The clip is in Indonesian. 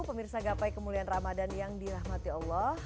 pemirsa gapai kemuliaan ramadan yang dirahmati allah